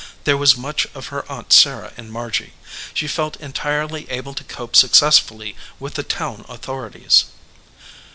There was much of her aunt Sarah in Margy. She felt entirely able to cope successfully with the town authori ties.